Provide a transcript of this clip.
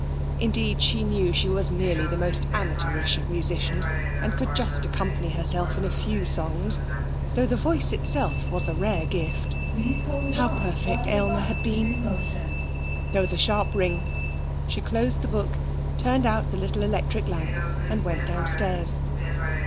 Indeed, she knew she was merely the most amateurish of musicians, and could just accompany herself in a few songs, though the voice itself was a rare gift.... How perfect Aylmer had been!... There was a sharp ring. She closed the book, turned out the little electric lamp and went downstairs.